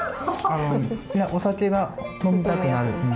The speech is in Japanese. お酒が飲みたくなる。